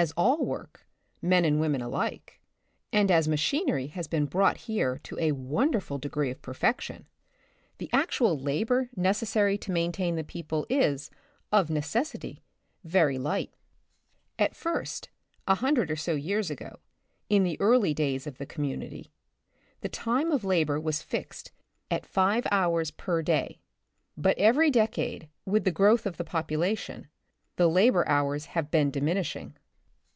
As all work, men and women alike, and as machinery has been brought here to a wonderful degree of perfection, the actual labor necessary to main tain the people is, of necessity, very light. At first, a hundred or so years ago, in the early days of the community, the time of labor was fixed at five hours per day. But every decade, . with the growth of the population, the labor hours have been diminishing.